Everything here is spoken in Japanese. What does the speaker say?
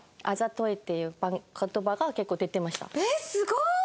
えっすごい！